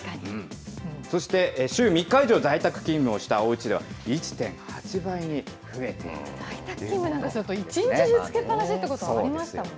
そして週３日以上在宅勤務をしたおうちでは１．８倍に増えているということなんですね。